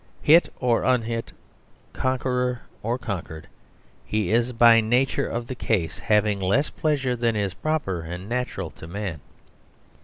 Hit or unhit, conqueror or conquered, he is, by nature of the case, having less pleasure than is proper and natural to a man.